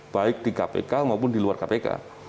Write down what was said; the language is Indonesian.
baik di kpk maupun di luar kpk